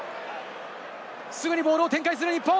すぐにボールを展開する日本。